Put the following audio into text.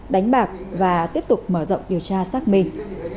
đánh bạc và tiếp tục mở rộng điều tra xác minh